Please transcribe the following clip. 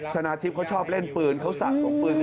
ชนะทิพย์เขาชอบเล่นปืนเขาสะสมปืน